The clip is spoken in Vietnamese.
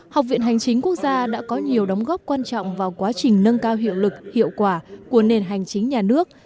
học viện hành chính quốc gia đã có nhiều đóng góp quan trọng vào quá trình nâng cao hiệu lực hiệu quả của nền hành chính nhà nước